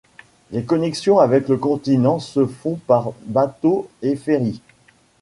Les connexions avec le continent se font par bateaux et ferry.